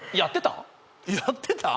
やってた？